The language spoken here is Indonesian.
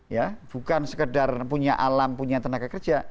ya bukan sekedar punya alam punya tenaga kerja